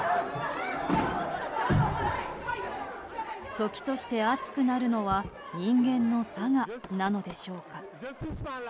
時として熱くなるのは人間の性なのでしょうか。